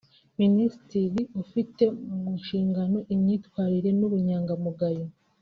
Minisitiri ufite mu nshingano imyitwarire n’ubunyangamugayo